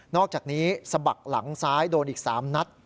อกจากนี้สะบักหลังซ้ายโดนอีก๓นัด